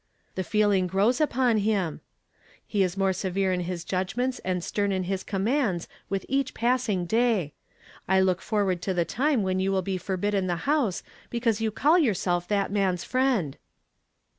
The feeling grows upon him. He is more severe in his judgments and stern in his commands with each passing day. I look forward to the time when you will be forbid den the house because you call yourself that man's friend."